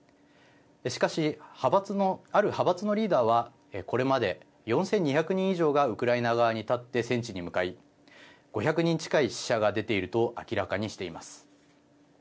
しかし、ある派閥のリーダーはこれまで４２００人以上がウクライナ側に立って戦地に向かい５００人近い死者が出ていると明らかにしています。